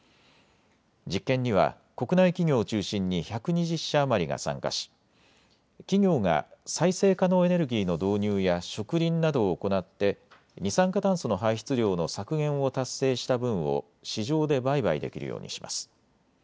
実験には国内企業を中心に１２０社余りが参加し企業が再生可能エネルギーの導入や植林などを行って二酸化炭素の排出量の削減を達成した分を市場で売買できるようにします。